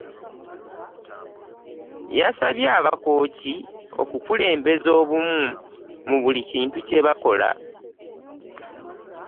Yasabye abakooki okukulembeza obumu mu buli Kintu kye bakola.